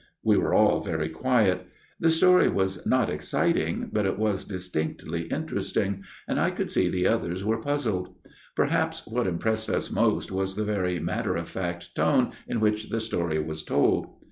We were all very quiet. The story was not exciting, but it was distinctly interesting, and I could see the others were puzzled. Perhaps what impressed us most was the very matter of fact tone in which the story was told.